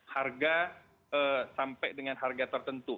harga sampai dengan harga tertentu